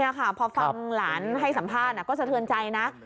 นี่ค่ะพอฟังหลานให้สัมภาษณ์ก็สะเทือนใจนะ